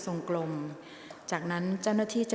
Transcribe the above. ออกรางวัลเลขหน้า๓ตัวครั้งที่๑ค่ะ